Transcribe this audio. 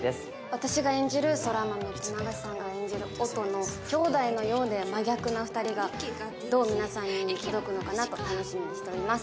私が演じる空豆と永瀬さんが演じる音のきょうだいのようで真逆な２人がどう皆さんに届くのかなと楽しみにしております